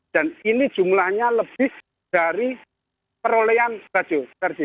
dan ini jumlahnya lebih dari perolehan bajo